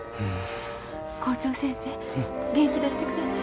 校長先生元気出してください。